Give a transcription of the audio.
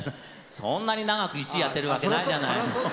そんなに長く１位やってるわけないじゃないの。